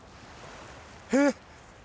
えっ！